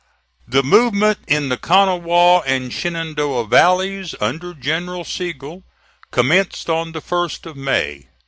The movement in the Kanawha and Shenandoah valleys, under General Sigel, commenced on the 1st of May.